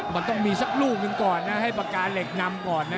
มันต้องมีสักลูกหนึ่งก่อนนะให้ปากกาเหล็กนำก่อนนะ